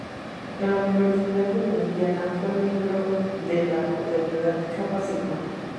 En la Universidad de Indiana fue miembro de la fraternidad Kappa Sigma.